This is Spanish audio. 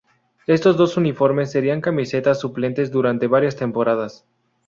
Estos dos uniformes serían camisetas suplentes durante varias temporadas.